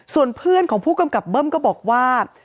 ส่วนเพื่อนของผู้กำกับเบิ้มก็บอกว่า